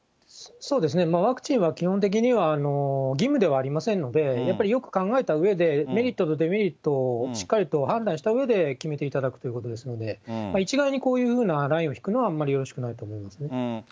ワクチンは基本的には、義務ではありませんので、やっぱりよく考えたうえで、メリットとデメリットをしっかりと判断したうえで決めていただくということですので、一概にこういうふうなラインを引くのは、あんまりよろしくないと思いますね。